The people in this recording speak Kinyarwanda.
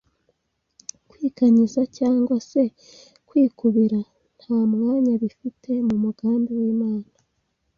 Kwikanyiza cyangwa se kwikubira nta mwanya bifite mu mugambi w’Imana